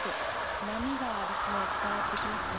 波が伝わってきますね。